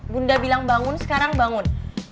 bunda bilang bangun sekarang bangun